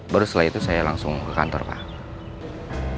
baru setelah itu saya langsung ke kantor pak